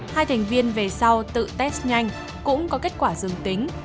hai thành viên về sau tự test nhanh cũng có kết quả dương tính